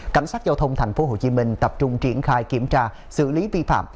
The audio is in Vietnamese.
cảnh sát giao thông tp hcm tập trung triển khai kiểm tra xử lý vi phạm